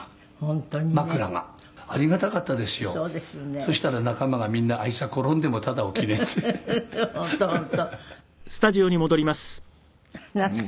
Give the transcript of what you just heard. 「そしたら仲間がみんな“あいつは転んでもただ起きねえ”って」